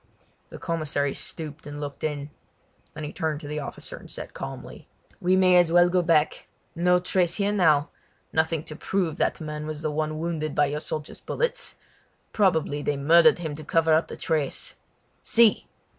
The commissary stooped and looked in. Then he turned to the officer and said calmly: "We may as well go back. No trace here now; nothing to prove that man was the one wounded by your soldiers' bullets! Probably they murdered him to cover up the trace. See!"